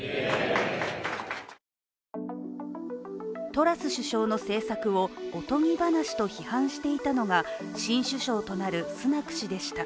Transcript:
トラス首相の政策をおとぎ話と批判していたのが新首相となるスナク氏でした。